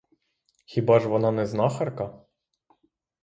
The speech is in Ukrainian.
Хіба ж вона не знахарка?